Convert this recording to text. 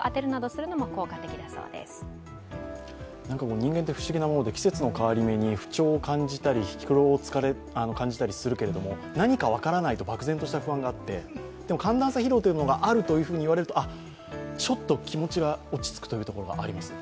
人間って不思議なもので季節の変わり目に不調を感じたり、疲労を感じたりするけれど、何か分からないと漠然とした不安があってでも、寒暖差疲労がというものがあると言われると、ちょっと気持ちが落ち着くというところもあります。